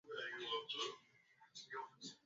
mwigizaji wa filamu tanzania kutoka njia